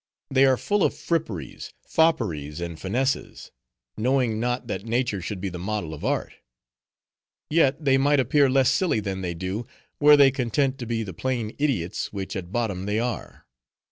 They are full of fripperies, fopperies, and finesses; knowing not, that nature should be the model of art. Yet, they might appear less silly than they do, were they content to be the plain idiots which at bottom they are.